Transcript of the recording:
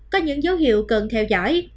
có những dấu hiệu cần theo dõi